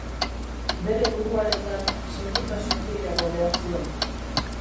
Bere buruarengan segurtasun gehiago behar zuen.